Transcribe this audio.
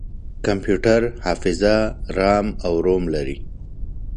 کمپیوټر حافظه رام او روم لري.